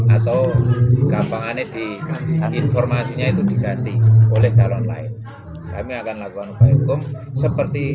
atau gampangannya di informasinya itu diganti oleh calon lain kami akan lakukan upaya hukum seperti